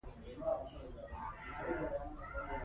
زه په ازرخش کښي انګلېسي زده کوم.